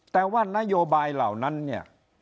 แต่ว่านโยบายเหล่านั้นเนี่ย